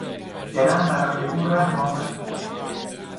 دلم برای او رحم آمد.